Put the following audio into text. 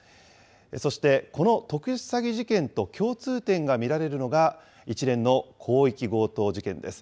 そして、この特殊詐欺事件と共通点が見られるのが、一連の広域強盗事件です。